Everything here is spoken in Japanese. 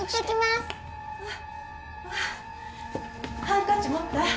ハンカチ持った？